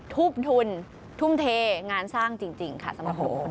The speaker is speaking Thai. ทุ่มทุนทุ่มเทงานสร้างจริงค่ะสำหรับทุกคน